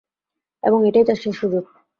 এবং এটাই তার সেষ সুযোগ।